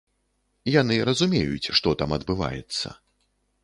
Яны разумеюць, што там адбываецца.